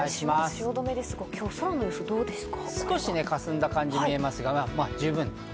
汐留ですが、空の様子はどうですか？